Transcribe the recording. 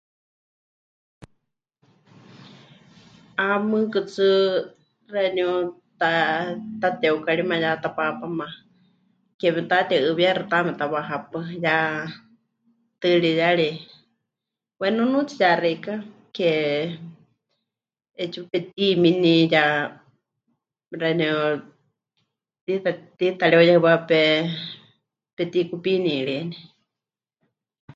'Ah mɨɨkɨ tsɨ xeeníu ta... tateukaríma ya tapaapáma ke memɨtateu'ɨɨwíyaxɨ taame ta wahepaɨ, ya tɨɨriyari, pues nunuutsi yaxeikɨ́a ke..., 'eetsiwa pemɨtimini ya xeeníu tiita, tiita mɨreuyehɨwá pe... pemɨtikupiiniríeni.